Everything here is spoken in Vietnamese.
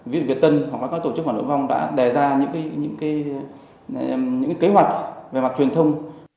ví dụ việt tân hoặc các tổ chức phản ứng vong đã đề ra những kế hoạch về mặt truyền thông